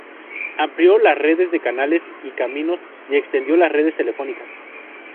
Amplió las redes de canales y caminos, y extendió las redes telefónicas.